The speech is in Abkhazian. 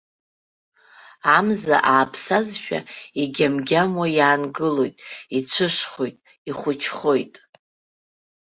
Амза ааԥсазшәа игьам-гьамуа иаангылоит, ицәышхоит, ихәыҷхоит.